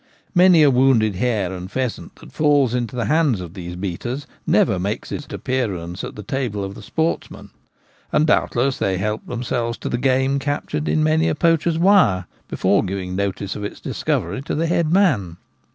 Many a wounded hare and pheasant that falls into the hands of the beaters never makes it appearance at the table of the sportsman ; and doubtless they help themselves to the game captured in many a poacher's wire before giving notice of the discovery to the head man.